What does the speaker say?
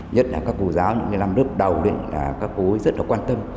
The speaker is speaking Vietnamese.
nhất là các cô giáo những cái năm lớp đầu đấy là các cô ấy rất là quan tâm